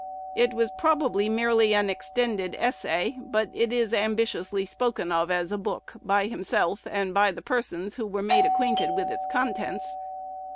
It was probably merely an extended essay; but it is ambitiously spoken of as "a book" by himself and by the persons who were made acquainted with its contents.